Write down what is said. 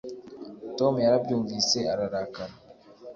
tom yarabyumvise ararakara